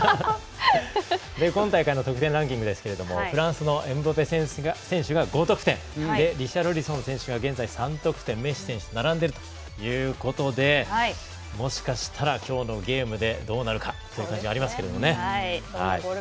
今大会の得点ランキングですけれどもフランスのエムバペ選手が５得点リシャルリソン選手が現在３得点でメッシ選手に並んでいるということでもしかしたら、今日ゲームでどうなるかという感じがありますけどね。